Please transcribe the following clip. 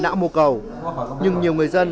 não mô cầu nhưng nhiều người dân